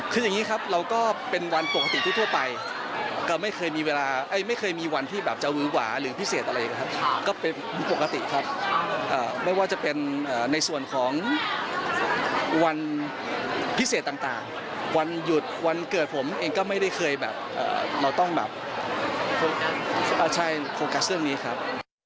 คืออย่างนี้ครับเราก็เป็นวันปกติทั่วไปก็ไม่เคยมีเวลาไม่เคยมีวันที่แบบจะหวือหวาหรือพิเศษอะไรอย่างนี้ครับก็เป็นปกติครับไม่ว่าจะเป็นในส่วนของวันพิเศษต่างวันหยุดวันเกิดผมเองก็ไม่ได้เคยแบบเราต้องแบบใช่โฟกัสเรื่องนี้ครับ